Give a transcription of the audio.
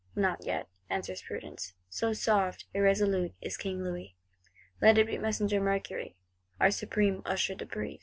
—Not yet, answers prudence; so soft, irresolute is King Louis. Let it be Messenger Mercury, our Supreme Usher de Brézé.